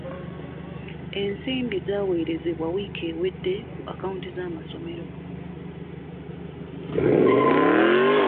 Ensimbi zaawerezebwa wiiki ewedde ku akaawunti z'amassomero.